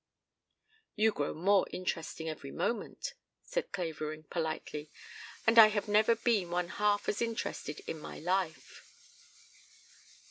"You grow more interesting every moment," said Clavering politely, "and I have never been one half as interested in my life."